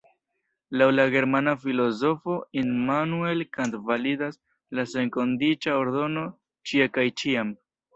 Laŭ la germana filozofo Immanuel Kant validas la senkondiĉa ordono ĉie kaj ĉiam.